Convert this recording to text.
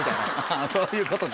あぁそういうことか。